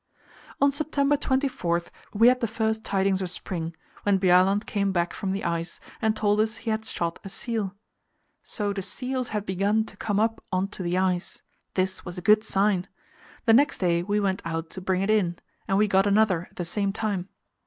On September 24 we had the first tidings of spring, when Bjaaland came back from the ice and told us he had shot a seal. So the seals had begun to come up on to the ice; this was a good sign. The next day we went out to bring it in, and we got another at the same time.